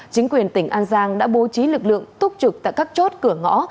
chính quyền tỉnh an giang đã bố trí lực lượng túc trực tại các chốt cửa ngõ